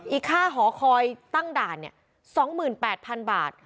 อีกค่าหอคอยตั้งด่านเนี่ย๒๘๐๐๐บาท